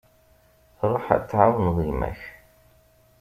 Ruḥ ad tεawneḍ gma-k.